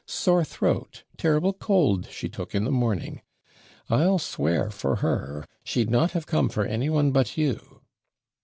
Sore throat terrible cold she took in the morning. I'll swear for her, she'd not have come for any one but you.'